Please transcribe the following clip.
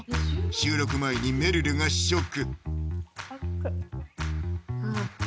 収録前にめるるが試食あっつい！